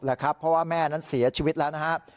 เพราะว่าแม่นั้นเสียชีวิตแล้วนะครับ